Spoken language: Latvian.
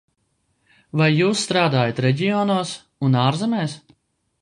Vai jūs strādājat reģionos un ārzemēs?